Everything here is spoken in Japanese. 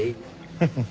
フフフ。